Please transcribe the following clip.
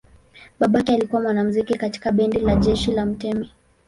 Babake alikuwa mwanamuziki katika bendi la jeshi la mtemi.